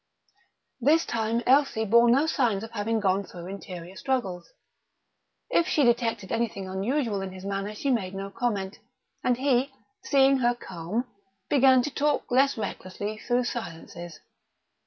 This time Elsie bore no signs of having gone through interior struggles. If she detected anything unusual in his manner she made no comment, and he, seeing her calm, began to talk less recklessly through silences.